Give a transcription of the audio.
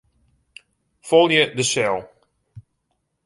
Folje de sel.